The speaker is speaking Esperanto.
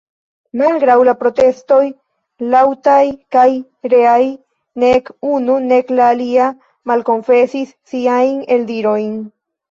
Malgraŭ la protestoj laŭtaj kaj reaj, nek unu nek la alia malkonfesis siajn eldirojn.